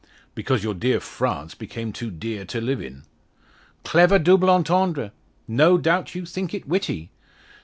"Because your dear France became too dear to live in." "Clever double entendre! No doubt you think it witty!